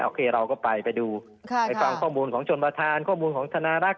โคเราก็ไปไปดูไปฟังข้อมูลของชนประธานข้อมูลของธนารักษ